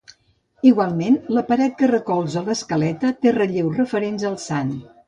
Igualment, la paret que recolza l'escaleta té relleus referents al sant.